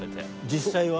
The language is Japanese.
実際は？